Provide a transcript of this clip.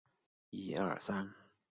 在中共十六大上当选中纪委委员。